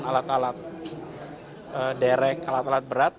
alat alat derek alat alat berat